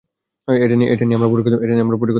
এটা নিয়ে আমরা পরে কথা বলব।